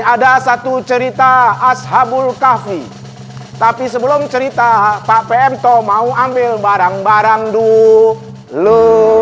ada satu cerita ashabul kahfi tapi sebelum cerita pak pm to mau ambil barang barang dulu